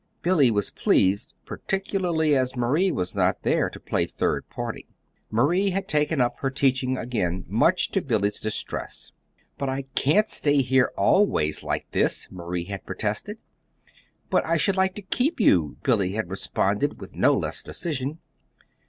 Billy was pleased, particularly as Marie was not there to play third party. Marie had taken up her teaching again, much to Billy's distress. "But I can't stay here always, like this," Marie had protested. "But I should like to keep you!" Billy had responded, with no less decision.